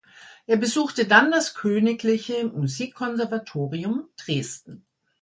Er besuchte dann das Königliche Musikkonservatorium Dresden.